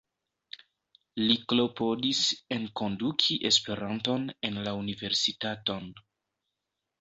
Li klopodis enkonduki Esperanton en la universitaton.